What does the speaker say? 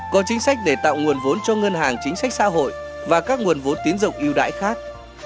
có chính sách để tạo nguồn vốn cho ngân hàng chính sách xã hội và các nguồn vốn tín dụng yêu đãi khác